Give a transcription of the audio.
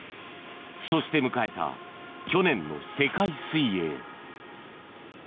そして迎えた、去年の世界水泳。